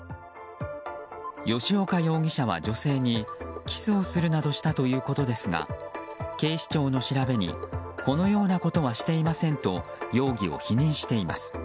吉岡容疑者は、女性にキスをするなどしたということですが警視庁の調べにこのようなことはしていませんと容疑を否認しています。